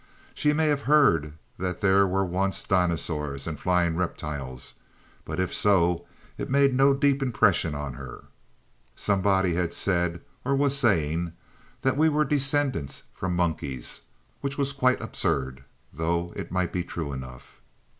She may have heard that there were once dinosaurs and flying reptiles, but if so it made no deep impression on her. Somebody had said, or was saying, that we were descended from monkeys, which was quite absurd, though it might be true enough.